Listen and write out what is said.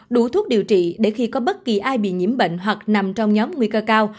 đủ thuốc điều trị để khi có bất kỳ ai bị nhiễm bệnh hoặc nằm trong nhóm nguy cơ cao